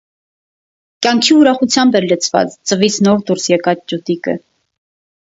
Կյանքի ուրախությամբ էր լցված ձվից նոր դուրս եկած ճուտիկը։